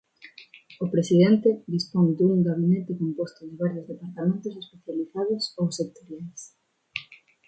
O presidente dispón dun gabinete composto de varios departamentos especializados ou sectoriais.